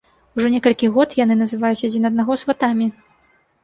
Ужо некалькі год яны называюць адзін аднаго сватамі.